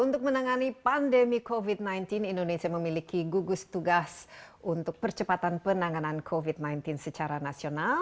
untuk menangani pandemi covid sembilan belas indonesia memiliki gugus tugas untuk percepatan penanganan covid sembilan belas secara nasional